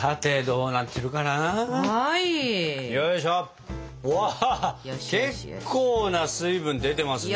うわ結構な水分出てますね。